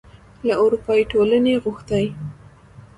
له اروپايي ټولنې غوښتي